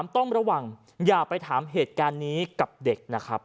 ต้องระวังอย่าไปถามเหตุการณ์นี้กับเด็กนะครับ